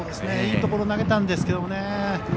いいところを投げたんですけどね。